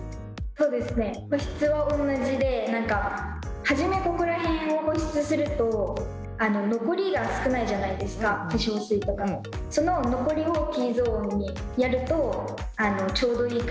そうですね保湿は同じで初めここら辺を保湿すると残りが少ないじゃないですか化粧水とかのその残りをＴゾーンにやるとちょうどいい感じに保湿されるので。